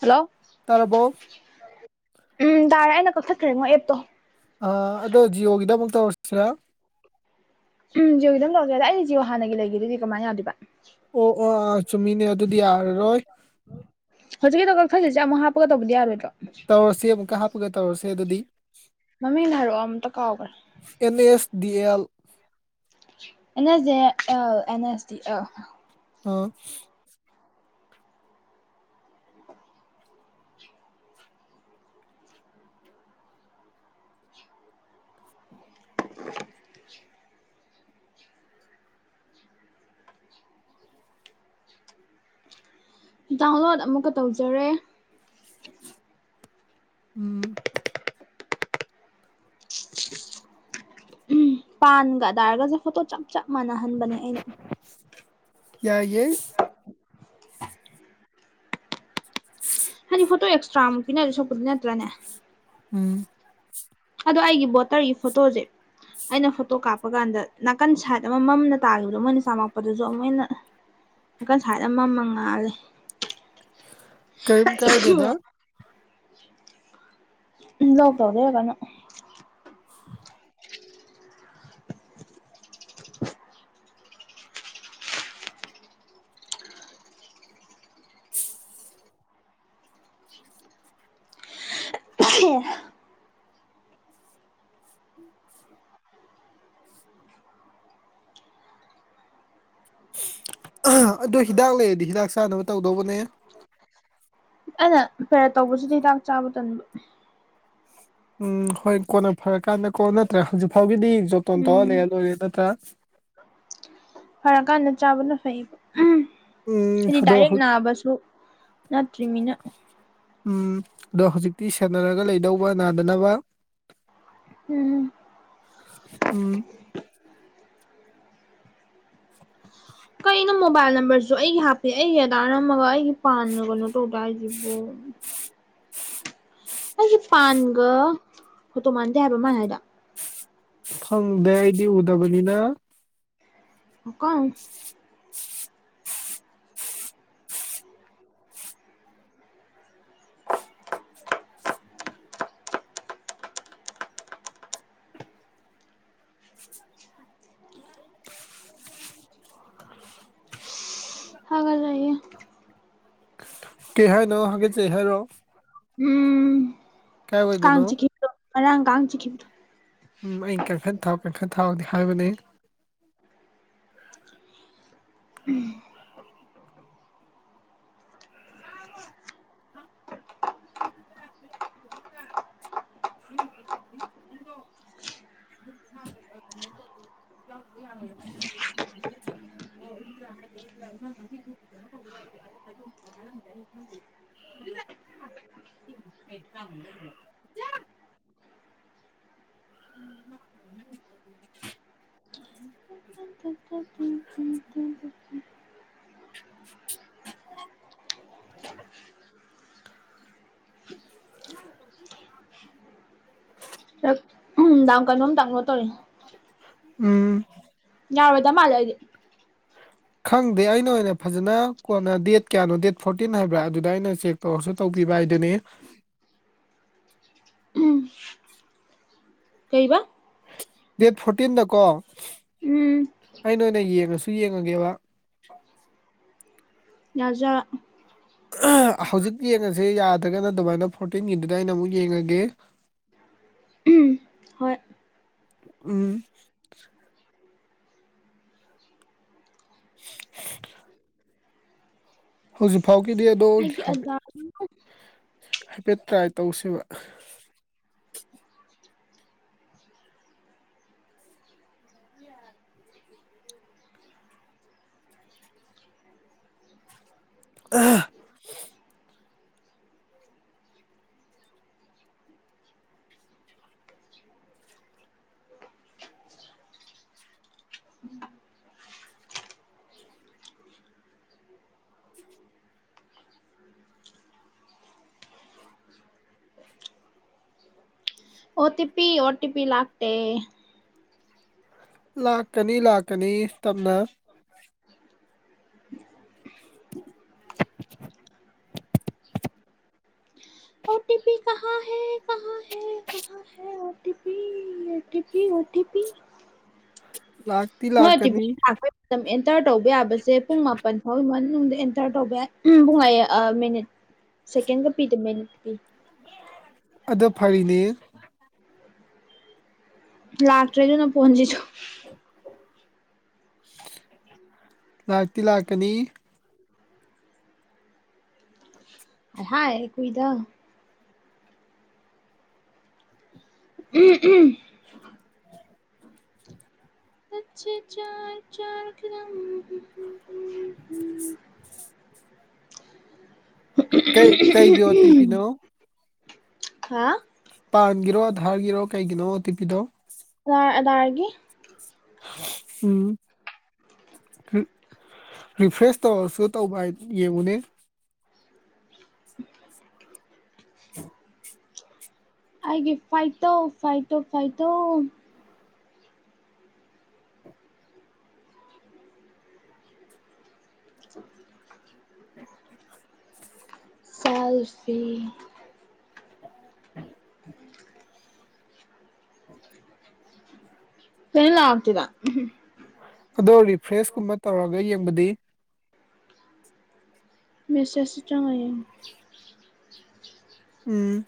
Hello ꯇꯥꯔꯕꯣ ꯎꯝ ꯇꯥꯔꯦ ꯑꯩꯅ ꯀꯛꯊꯠꯈ꯭ꯔꯦ ꯃꯣ ꯑꯦꯞꯇꯣ ꯑ ꯑꯗꯣ ꯖꯤꯑꯣꯒꯤꯗ ꯑꯃꯨꯛ ꯇꯧꯔꯁꯤꯔꯥ ꯎꯝ ꯖꯤꯌꯣꯒꯤ ꯑꯗꯨꯝ ꯇꯧꯒꯦꯗ ꯑꯩꯗꯤ ꯖꯤꯌꯣ ꯍꯥꯟꯅꯒꯤ ꯂꯩꯒꯦꯗꯨꯗꯤ ꯀꯃꯥꯏꯅ ꯌꯥꯗꯣꯏꯕ ꯑꯣ ꯑꯣ ꯑꯥ ꯆꯨꯝꯃꯤꯅꯦ ꯑꯗꯨꯗꯤ ꯌꯥꯔꯔꯣꯏ ꯍꯧꯖꯤꯛꯀꯤꯗ ꯀꯛꯊꯠꯂꯤꯖꯤ ꯑꯃꯨꯛ ꯍꯥꯞꯄꯒ ꯇꯧꯕꯗꯤ ꯌꯥꯔꯣꯏꯗ꯭ꯔꯣ ꯇꯧꯔꯁꯤ ꯑꯃꯨꯛꯀ ꯍꯥꯞꯄꯒ ꯇꯧꯔꯁꯤ ꯑꯗꯨꯗꯤ ꯃꯃꯤꯡ ꯍꯥꯏꯔꯛꯑꯣ ꯑꯃꯝꯇ ꯀꯥꯎꯈ꯭ꯔꯥ and S D L A ꯑꯦꯁꯦ ꯑ ꯑꯦꯟ ꯑꯦꯁ ꯗꯤ ꯑꯦꯜ ꯑꯣ ꯗꯥꯎꯟꯂꯣꯗ ꯑꯃꯨꯛꯀ ꯇꯧꯖꯔꯦ ꯎꯝ [inaudible] ꯄꯥꯟꯒꯗꯥꯏꯔꯒꯁꯨ ꯐꯣꯇꯣ ꯆꯞ ꯆꯞ ꯃꯥꯟꯅꯍꯟꯕꯅꯦ ꯑꯩꯅ ꯌꯥꯏꯌꯦ ꯍꯥꯏꯗꯤ ꯐꯣꯇꯣ ꯑꯦꯁ꯭ꯔꯥ ꯑꯃ ꯄꯤꯅꯗꯣꯏ ꯁꯔꯨꯛꯄꯨꯗꯤꯅ ꯅꯠꯇ꯭ꯔꯅꯦ ꯎꯝ ꯑꯗꯣ ꯑꯩꯒꯤ ꯕꯣꯇꯔꯒꯤ ꯐꯣꯇꯣꯗꯤ ꯑꯩꯅ ꯐꯣꯇꯣ ꯀꯥꯞꯄ ꯀꯥꯟꯗ ꯅꯥꯀꯟ ꯁꯥꯏꯠ ꯑꯃ ꯃꯝꯅ ꯇꯥꯈꯤꯕꯗꯣ ꯃꯣꯏꯅ ꯆꯥꯝꯃꯛꯄꯗꯨꯁꯨ ꯑꯃꯨꯛ ꯍꯦꯟꯅ ꯀꯟ ꯁꯥꯏꯠ ꯑꯃꯃ ꯉꯥꯜꯂꯦ ꯀꯔꯤꯝ ꯀꯥꯏꯗꯦꯗ ꯎꯝ ꯂꯥꯎ ꯇꯕꯗꯦ ꯌꯥꯒꯅꯣ ꯑꯗꯣ ꯍꯤꯗꯥꯛ ꯂꯩꯔꯗꯤ ꯍꯤꯗꯥꯛ ꯆꯥꯅꯕ ꯇꯧꯗꯧꯕꯅꯦ ꯑꯩꯅ ꯐꯔꯦ ꯇꯧꯕꯁꯤꯗꯤ ꯍꯤꯗꯥꯛ ꯆꯥꯕ ꯇꯟꯕ ꯎꯝ ꯍꯣꯏ ꯀꯣꯟꯅ ꯐꯔꯀꯥꯟꯗꯀꯣ ꯅꯠꯇ꯭ꯔꯥ ꯍꯧꯖꯤꯛ ꯐꯥꯎꯒꯤꯗꯤ ꯖꯣꯞꯇꯣꯟ ꯎꯝ ꯇꯧꯔꯂꯔ ꯂꯣꯏꯔꯦ ꯅꯠꯇ꯭ꯔꯥ ꯐꯔꯀꯥꯟꯗ ꯆꯥꯕꯅ ꯐꯩꯌꯦꯕ ꯎꯝ ꯍꯥꯏꯗꯤ ꯑꯗꯣ ꯗꯥꯏꯔꯦꯛ ꯍꯧ ꯅꯥꯕꯁꯨ ꯅꯠꯇ꯭ꯔꯤꯃꯤꯅ꯫ ꯎꯝ ꯑꯗꯣ ꯍꯧꯖꯤꯛꯇꯤ ꯁꯦꯟꯅꯔꯒ ꯂꯩꯗꯧꯕ ꯅꯥꯗꯅꯕ꯫ ꯎꯝ꯫ ꯎꯝ꯫ ꯑꯩꯅ ꯃꯣꯕꯥꯏꯜ ꯅꯝꯕꯔꯁꯨ ꯑꯩꯒꯤ ꯍꯥꯞꯄ ꯑꯩꯒꯤ ꯑꯗꯥ ꯅꯝꯃꯒ ꯑꯩꯒꯤ ꯄꯥꯟꯒ ꯀꯩꯅꯣ ꯇꯧꯗꯦ ꯍꯥꯏꯁꯤꯕꯨ꯫ ꯑꯩꯒꯤ ꯄꯥꯟꯒ ꯍꯣꯠꯇꯣ ꯃꯥꯟꯗꯦ ꯍꯥꯏꯕ ꯃꯥꯟ ꯍꯥꯏꯗꯣ꯫ ꯐꯪꯗꯦ ꯑꯩꯗꯤ ꯎꯗꯕꯅꯤꯅ꯫ [unintelligible] ꯍꯥꯏꯒꯠꯂꯛꯑꯦ ꯀꯩ ꯍꯥꯏꯅꯣ ꯍꯥꯏꯒꯠꯆꯩ ꯍꯥꯏꯔꯣ꯫ ꯎꯝ ꯀꯥꯏ ꯀꯥꯡ ꯋꯥꯏꯗꯅꯣ꯫ ꯆꯤꯛꯈꯤꯕꯗꯣ ꯉꯔꯥꯡ ꯀꯥꯡ ꯆꯤꯛꯈꯤꯕꯗꯣ ꯎꯝ ꯑꯩ ꯀꯟꯈꯠ ꯊꯥꯎ ꯀꯟꯈꯠ ꯊꯥꯎꯗꯤ ꯍꯥꯏꯕꯅꯦ꯫ ꯎꯝ꯫ [inaudible] [inaudible] [inaudible] [inaudible] [inaudible] ꯎꯝ ꯀꯩꯅꯣꯝ ꯗꯥꯎꯂꯣꯠ ꯇꯧꯔꯤꯅꯤ꯫ ꯎꯝ꯫ ꯌꯥꯔꯣꯏꯗꯥ ꯃꯥꯟꯂꯦ ꯑꯩꯗꯤ꯫ ꯈꯪꯗꯦ ꯑꯩꯅ ꯑꯣꯏꯅ ꯐꯖꯅ ꯀꯣꯟꯅ ꯗꯦꯠ ꯀꯌꯥꯅꯣ ꯗꯦꯠ ꯐꯣꯔꯇꯤꯟ ꯍꯥꯏꯕ꯭ꯔꯥ ꯑꯗꯨꯗ ꯑꯩꯅ ꯆꯦꯛ ꯇꯧꯔꯁꯨ ꯇꯧꯕꯤꯕ ꯍꯥꯏꯗꯨꯅꯤ꯫ ꯀꯩꯕꯥ꯫ ꯗꯦꯠ ꯐꯣꯔꯇꯤꯟꯗꯀꯣ ꯎꯝ ꯑꯩꯅ ꯑꯣꯏꯅ ꯌꯦꯡꯉꯁꯨ ꯌꯦꯡꯉꯒꯦꯕ꯫ ꯌꯥꯖ ꯍꯧꯖꯤꯛ ꯌꯦꯡꯉꯁꯤ ꯌꯥꯗ꯭ꯔꯒꯅ ꯑꯗꯨꯃꯥꯏꯅ ꯐꯣꯔꯇꯤꯟꯒꯤꯗꯨꯗ ꯑꯩꯅ ꯑꯃꯨꯛ ꯌꯦꯡꯉꯒꯦ꯫ ꯎꯝ ꯍꯣꯏ꯫ ꯎꯝ꯫ [unintelligible] ꯍꯧꯖꯤꯛꯐꯥꯎꯒꯤꯗꯤ ꯑꯗꯣ ꯑꯩꯒꯤ ꯑꯙꯥꯔ ꯍꯥꯏꯐꯦꯠ ꯇ꯭ꯔꯥꯏ ꯇꯧꯁꯤꯕ꯫ ꯎ [unintelligible] O T P O T P ꯂꯥꯛꯇꯦ꯫ ꯂꯥꯛꯀꯅꯤ ꯂꯥꯛꯀꯅꯤ ꯇꯞꯅ꯫ ꯑꯣ ꯇꯤ ꯄꯤ [unintelligible] ꯀꯍꯥ ꯍꯦ ꯀꯍꯥ ꯍꯦ [unintelligible] O T P O T P O T P. ꯂꯥꯛ ꯃꯣꯏ [unintelligible] ꯑꯦꯟꯇꯔ ꯇꯧꯕ ꯌꯥꯕꯁꯦ ꯄꯨꯡ ꯃꯥꯄꯟ ꯐꯥꯎꯒꯤ ꯃꯅꯨꯡꯗ ꯑꯦꯟꯇꯔ ꯇꯧꯕ ꯌꯥꯏ ꯎꯝ ꯕꯨꯡ ꯑꯩ ꯑꯥ ꯃꯤꯅꯤꯠ ꯁꯦꯀꯦꯟꯒ ꯄꯤꯗ ꯃꯤꯅꯤꯠ ꯄꯤ꯫ ꯑꯗꯣ ꯐꯔꯤꯅꯦ꯫ ꯂꯥꯛꯇꯔꯦ ꯑꯗꯨꯅ ꯐꯣꯟꯁꯤꯁꯨ꯫ ꯂꯥꯛꯇꯤ ꯂꯥꯛꯀꯅꯤ꯫ ꯍꯥꯍꯥꯏ ꯀꯨꯏꯗ꯫ [unintelligible] [unintelligible] [unintelligible] [unintelligible] ꯀꯩ ꯀꯩꯒꯤ ꯑꯣ ꯇꯤ ꯄꯤꯅꯣ꯫ ꯍꯥ꯫ ꯄꯥꯟꯒꯤꯔꯣ ꯑꯙꯥꯔꯒꯤꯔꯣ ꯀꯩꯒꯤꯅꯣ ꯑꯣ ꯇꯤ ꯄꯤꯗꯣ꯫ ꯑꯗꯔ ꯑꯗꯥꯔꯒꯤ꯫ ꯎꯝ ꯔꯤ ꯔꯤꯐ꯭ꯔꯦꯁ ꯇꯧꯔꯁꯨ ꯇꯧꯕ ꯍꯥꯏ ꯌꯦꯡꯉꯨꯅꯦ [unintelligible] [unintelligible] ꯑꯩꯒꯤ ꯐꯥꯏꯇꯣ ꯐꯥꯏꯇꯣ ꯐꯥꯏꯇꯣ [unintelligible] ꯁꯦꯜ [unintelligible] ꯁꯤ [unintelligible] [inaudible] ꯀꯩꯝ ꯂꯥꯛꯇꯦꯗꯥ ꯎꯝ ꯑꯗꯣ ꯔꯤꯐ꯭ꯔꯦꯁ ꯀꯨꯝꯕ ꯇꯧꯔꯒ ꯌꯦꯡꯕꯗꯤ ꯃꯦꯁꯦꯁ ꯇ ꯆꯪꯉꯥ ꯌ‌ꯦꯡ ꯎꯝ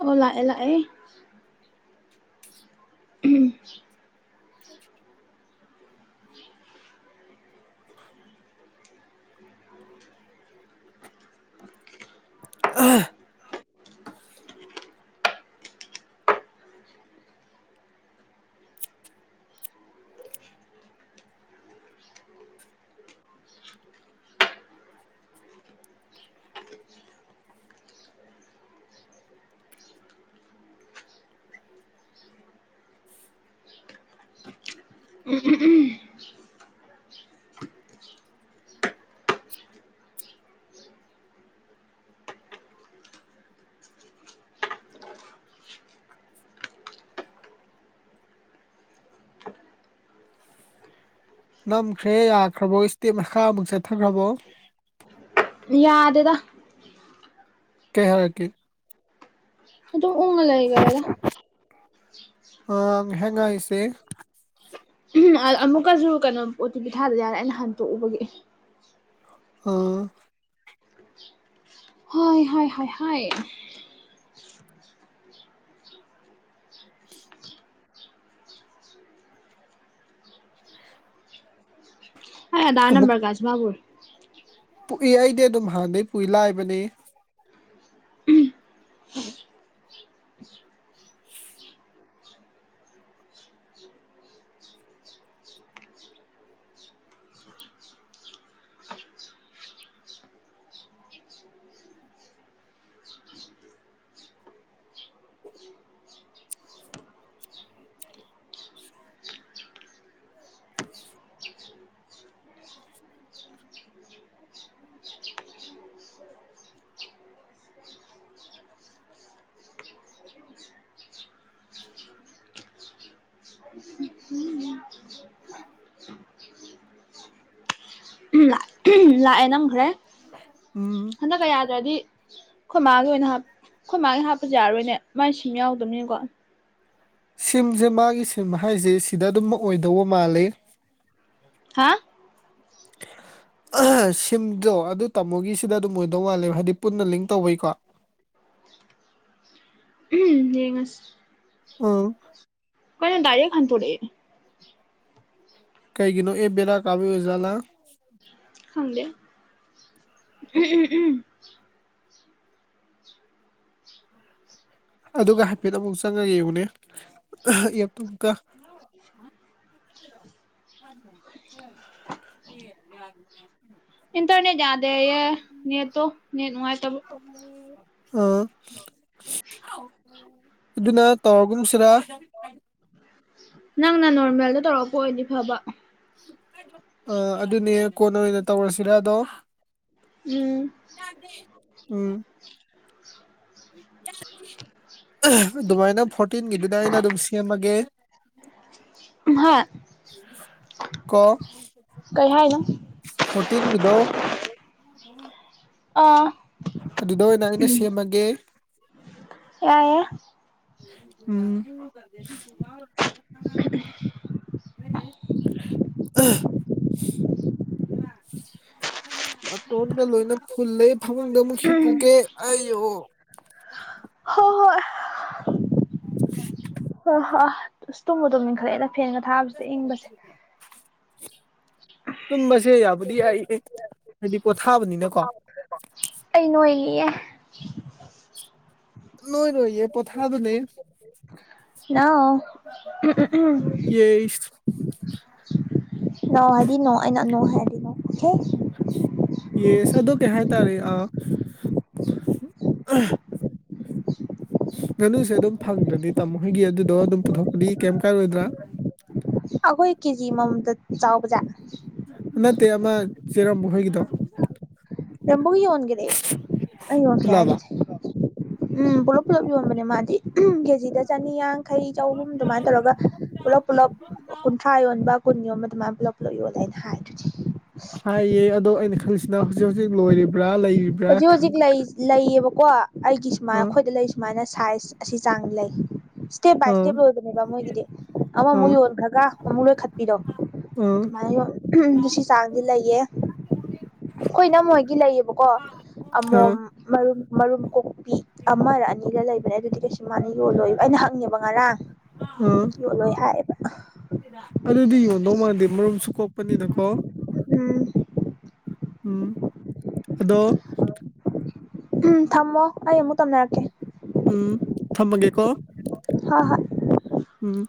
ꯑꯣ ꯂꯥꯛꯑꯦ ꯂꯥꯛꯑꯦ ꯎꯝ [unintelligible] [unintelligible] ꯅꯝꯈ꯭ꯔꯦ ꯌꯥꯈ꯭ꯔꯕꯣ ꯏꯁꯇꯦꯞ ꯃꯈꯥꯃꯨꯛ ꯆꯠꯊꯈ꯭ꯔꯕꯣ ꯌꯥꯗꯦꯗꯥ ꯀꯩ ꯍꯥꯏꯔꯛꯀ‌ꯦ ꯑꯗꯨꯝ ꯎꯪꯉ ꯂꯩꯒꯔ‌ꯦꯗ ꯑ ꯉꯩꯍꯥꯛ ꯉꯥꯏꯁꯦ ꯎꯝ ꯑꯃꯨꯛꯀꯁꯨ ꯀꯩꯅꯣ ꯑꯣꯇꯤꯄꯤ ꯊꯥꯗ ꯌꯥꯔꯣꯏ ꯑꯩꯅ ꯍꯟꯇꯣꯛꯎꯕꯒꯤ ꯑꯥ ꯍꯣꯏ ꯍꯥꯏ ꯍꯥꯏ ꯍꯥꯏ ꯑꯩ ꯑꯙꯥꯔ ꯅꯝꯕꯔꯒ ꯆꯤꯟꯐꯥ ꯄꯨꯔꯦ ꯄꯨꯏ ꯑꯩꯗꯤ ꯑꯗꯨꯝ ꯍꯥꯟꯅꯗꯩ ꯄꯨꯏ ꯂꯥꯏꯕꯅꯤ [unintelligible] [unintelligible] [unintelligible] [inaudible] ꯂꯥꯛꯑꯦ ꯅꯝꯈ꯭ꯔꯦ ꯎꯝ ꯍꯟꯗꯛꯀ ꯌꯥꯗ꯭ꯔꯗꯤ ꯑꯩꯈꯣꯏ ꯃꯥꯒꯤ ꯑꯣꯏꯅ ꯍꯥꯞ ꯑꯩꯈꯣꯏ ꯃꯥꯒꯤ ꯍꯥꯞꯄꯁꯨ ꯌꯥꯔꯔꯣꯏꯅꯦ ꯃꯥꯏ ꯁꯤ ꯌꯥꯎꯗꯕꯅꯤꯅꯀꯣ ꯁꯤꯝꯁꯦ ꯃꯥꯒꯤ ꯁꯤꯝ ꯍꯥꯏꯁꯦ ꯁꯤꯗ ꯑꯗꯨꯝ ꯑꯣꯏꯗꯧꯕ ꯃꯥꯜꯂꯤ ꯍꯥ [unintelligible] [unintelligible] ꯁꯤꯝꯗꯣ ꯑꯗꯨ ꯇꯥꯃꯣꯒꯤꯁꯤꯗ ꯑꯗꯨꯝ ꯑꯣꯏꯗꯧ ꯋꯥꯂꯦꯕ ꯍꯥꯏꯗꯤ ꯄꯨꯟꯅ ꯂꯤꯡ ꯇꯧꯕꯩꯀꯣ ꯌꯦꯡꯉꯁ ꯎꯝ ꯅ‌ ꯗꯥꯏꯔꯦꯛ ꯍꯟꯇꯣꯔꯛꯑꯦ ꯀꯩꯒꯤꯅꯣ ꯑꯦꯞ ꯕꯦꯔꯥ ꯀꯥꯕꯩ ꯑꯣꯏꯖꯥꯠꯂ ꯈꯪꯗꯦ [unintelligible] ꯑꯗꯨꯒ ꯍꯥꯏꯐꯦꯠ ꯑꯃꯨꯛ ꯆꯪꯉꯥ ꯌꯦꯡꯉꯨꯅꯦ ꯑꯦꯞꯇꯨꯒꯥ [unintelligible] [unintelligible] ꯏꯟꯇꯔꯅꯦꯠ ꯌꯥꯗꯦꯌꯦ ꯅ‌ꯦꯠꯇꯣ ꯅ‌ꯦꯠ ꯅꯨꯡꯉꯥꯏꯇꯕ ꯑꯥ ꯑꯗꯨꯅ ꯇꯧꯔꯒꯨꯝꯁꯤꯔꯥ ꯅꯪꯅ ꯅꯣꯔꯃꯦꯜꯗ ꯇꯧꯔꯛꯄ ꯑꯣꯏꯗꯤ ꯐꯕ ꯑꯥ ꯑꯗꯨꯅꯦ ꯀꯣꯟꯅ ꯑꯣꯏꯅ ꯇꯧꯔꯁꯤꯔ ꯑꯗꯣ ꯎꯝ ꯎꯝ [unintelligible] [unintelligible] ꯑꯗꯨꯃꯥꯏꯅ ꯐꯣꯔꯇꯤꯟꯒꯤꯗꯨꯗ ꯑꯩꯅ ꯑꯗꯨꯝ ꯁꯦꯝꯃꯒꯦ ꯍꯥꯏ ꯀꯣ ꯀꯩ ꯍꯥꯏꯅꯣ ꯐꯣꯔꯇꯤꯟꯒꯤꯗꯣ ꯑꯥ ꯑꯗꯨꯗ ꯑꯣꯏꯅ ꯑꯩꯅ ꯁꯦꯝꯃꯒꯦ ꯌꯥꯏꯌꯦ ꯎꯝ ꯑꯥ ꯅꯥꯇꯣꯟꯒ ꯂꯣꯏꯅ ꯐꯨꯜꯂꯦ ꯐꯃꯨꯡꯗ ꯑꯃꯨꯛ ꯍꯤꯞꯄꯨꯒꯦ ꯑꯩ ꯑꯣ ꯍꯣꯏ ꯍꯣꯏ [unintelligible] ꯍ ꯍ ꯑꯁ ꯇꯨꯝꯕꯨ ꯑꯗꯨꯨꯝ ꯇꯨꯝꯅꯤꯡ ꯈꯠꯂꯛꯑꯦꯅ ꯐꯦꯟꯒ ꯊꯥꯕꯕꯁꯤꯗ ꯏꯪꯕꯁꯦ ꯇꯨꯝꯕꯁꯦ ꯌꯥꯕꯨꯗꯤ ꯌꯥꯏ ꯍꯥꯏꯗꯤ ꯄꯣꯊꯥꯕꯅꯤꯅꯀꯣ ꯑꯩ ꯅꯣꯏ ꯑꯦ ꯑꯦ ꯅꯣꯏ ꯅꯣꯏ ꯌꯦ ꯄꯣꯊꯥ ꯑꯗꯨꯅꯦ ꯂꯅꯥꯎ ꯎꯝ ꯌꯦꯁ ꯅꯣꯏ ꯍꯥꯏꯗꯤ ꯅꯣꯏ ꯑꯩꯅ ꯅ ꯍꯥꯏꯗꯤ ꯅꯦ ꯌꯦꯁꯥꯗ ꯀꯌꯥ ꯍꯥꯏ ꯇꯥꯔꯦ ꯑ [unintelligible] ꯉꯥꯅꯨꯁꯦ ꯑꯗꯨꯝ ꯐꯪꯗ꯭ꯔꯗꯤ ꯇꯥꯃꯣ ꯍꯣꯏꯒꯤ ꯑꯗꯨꯗꯣ ꯑꯗꯨꯝ ꯄꯨꯊꯣꯛꯄꯗꯤ ꯀꯩꯝ ꯀꯥꯏꯔꯣꯏꯗ꯭ꯔꯥ ꯑꯈꯣꯏ ꯀꯦꯖꯤ ꯑꯃꯥꯃꯝꯗꯥ ꯆꯥꯎꯕꯖꯥꯠꯅꯦ ꯅꯠꯇꯦ ꯑꯃ ꯆꯦꯔ ꯃꯈꯣꯏꯒꯤꯗꯣ ꯌꯥꯝꯕꯨꯡ ꯌꯣꯟꯈ꯭ꯔꯦ ꯑꯩ ꯌꯣꯟꯈ꯭ꯔꯦ ꯄꯨꯜꯂꯕ ꯍꯥꯏꯗꯨꯗꯤ ꯎꯝ ꯄꯨꯂꯞ ꯄꯨꯂꯞ ꯌꯣꯟꯕꯅꯦ ꯃꯥꯗꯤ ꯀꯦꯖꯤꯗ ꯆꯅꯤꯌꯥꯡ ꯌꯥꯡꯈꯩ ꯆꯍꯨꯝ ꯑꯗꯨꯃꯥꯏꯅ ꯇꯧꯔꯒ ꯄꯨꯂꯞ ꯄꯨꯂꯞ ꯀꯨꯟꯊ꯭ꯔꯥ ꯌꯣꯟꯕ ꯀꯨꯟ ꯒꯨꯝꯕ ꯑꯗꯨ ꯃꯥꯏꯅ ꯄꯨꯂꯞ ꯄꯨꯂꯞ ꯑꯩꯅ ꯍꯥꯏꯗꯣꯏꯁꯅꯦ ꯍꯥꯏꯌꯦ ꯑꯗꯣ ꯑꯩꯅ ꯈꯪꯜꯂꯤꯁꯤꯅ ꯍꯧꯖꯤꯛ ꯍꯧꯖꯤꯛ ꯂꯣꯏꯔꯤꯕ꯭ꯔꯥ ꯂꯩꯔꯤꯕꯥ ꯍꯧꯖꯤꯛ ꯍꯧꯖꯤꯛ ꯂꯩꯌꯦꯕꯀꯣ ꯑꯩꯒꯤ ꯁꯨꯃꯥꯏꯅ ꯑꯥ ꯑꯩꯈꯣꯏꯗ ꯂꯩꯁꯨ ꯁꯨꯃꯥꯏꯅ ꯁꯥꯏꯖ ꯑꯁꯤ ꯆꯥꯡ ꯂꯩ ꯏꯁꯇꯦꯞ ꯕꯥꯏ ꯑꯥ ꯏꯁꯇꯦꯞ ꯂꯣꯏꯕꯅꯦꯕ ꯃꯣꯏꯒꯤꯗꯤ ꯑꯃꯃꯨꯛ ꯑꯥ ꯌꯣꯟꯈ꯭ꯔꯒ ꯑꯃꯨꯛ ꯂꯣꯏꯈꯠꯄꯤꯔꯣ ꯑꯥ ꯑꯗꯨꯃꯥꯏꯅ ꯁꯤ ꯆꯥꯡꯗꯤ ꯂꯩꯌꯦ ꯑꯩꯈꯣꯏꯅ ꯏꯅꯝꯃꯣꯏꯒꯤ ꯂꯩꯌꯦꯕꯀꯣ ꯑꯥ ꯑꯃꯣꯝ ꯃꯔꯨꯝ ꯃꯔꯨꯝ ꯀꯣꯛꯄꯤ ꯑꯃꯔ ꯑꯅꯤꯒ ꯂꯩꯕꯅꯦ ꯑꯗꯨꯗꯤ ꯀꯩꯁꯨ ꯃꯥꯅ ꯌꯣꯜꯂꯣꯏꯕ ꯑꯩꯅ ꯍꯪꯅꯦꯦꯕ ꯉꯔꯥꯡ ꯑꯥ [unintelligible] ꯂꯣꯏ ꯍꯥꯏꯌꯦꯕ ꯑꯗꯨꯗꯤ ꯌꯣꯟꯗꯧ ꯃꯥꯟꯗꯦ ꯃꯔꯨꯝꯁꯨ ꯀꯣꯛꯄꯅꯤꯅ ꯀꯣ ꯎꯝ ꯎꯝ ꯑꯗꯣ ꯎꯝ ꯊꯝꯃꯣ ꯑꯩ ꯑꯃꯨꯛ ꯇꯝꯅꯔꯛꯀꯦ ꯎꯝ ꯊꯝꯃꯒꯦꯀꯣ ꯍ ꯍ ꯎꯝ